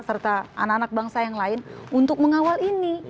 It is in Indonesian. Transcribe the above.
serta anak anak bangsa yang lain untuk mengawal ini